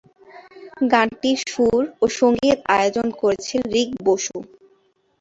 গানটির সুর ও সঙ্গীত আয়োজন করেছেন রিক বসু।